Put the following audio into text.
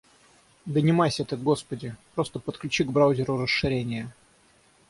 Да не майся ты, господи. Просто подключи к браузеру расширения.